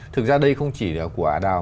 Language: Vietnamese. thực ra đây không chỉ là của ả đào